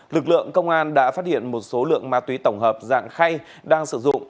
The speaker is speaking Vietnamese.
lực lượng công an đã phát hiện một số lượng ma túy tổng hợp dạng khay đang sử dụng